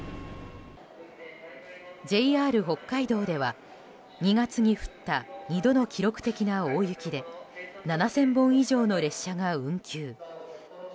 ＪＲ北海道では２月に降った２度の記録的な大雪で７０００本以上の列車が運休。